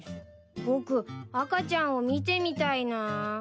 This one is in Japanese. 僕赤ちゃんを見てみたいなぁ。